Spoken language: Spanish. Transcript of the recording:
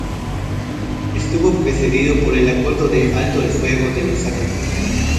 Estuvo precedido por el Acuerdo de Alto el Fuego de Lusaka.